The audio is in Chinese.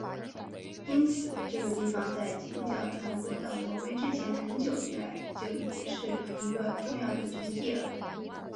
因此这个地方在基督教传播到挪威之前很久以来就已经是一个重要的聚集地了。